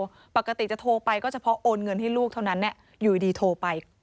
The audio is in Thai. ปกติจะโทรไปก็เฉพาะโอนเงินให้ลูกเท่านั้นอยู่ดีโทรไป